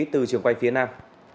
từ trường quay phía nam